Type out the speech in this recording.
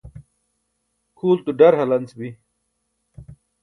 kʰulto ḍar halanc bi